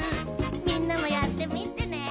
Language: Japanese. みんなもやってみてね！